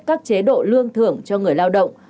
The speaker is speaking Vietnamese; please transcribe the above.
các chế độ lương thưởng cho người lao động